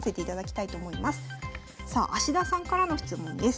さあ田さんからの質問です。